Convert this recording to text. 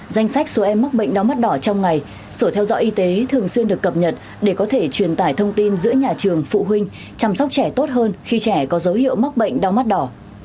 danh sách số em mắc bệnh đau mắt đỏ trong ngày sở theo dõi y tế thường xuyên được cập nhật để có thể truyền tải thông tin giữa nhà trường phụ huynh chăm sóc trẻ tốt hơn khi trẻ có dấu hiệu mắc bệnh đau mắt đỏ